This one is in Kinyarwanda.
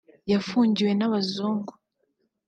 yafungiwe n’abazungu